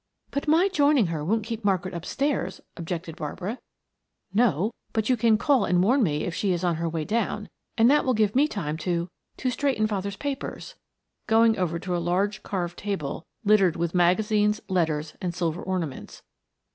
"But my joining her won't keep Margaret upstairs," objected Barbara. "No, but you can call and warn me if she is on her way down, and that will give me time to to straighten father's papers," going over to a large carved table littered with magazines, letters, and silver ornaments.